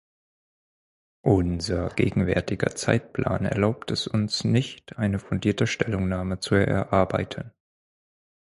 Unser gegenwärtiger Zeitplan erlaubt es uns nicht, eine fundierte Stellungnahme zu erarbeiten.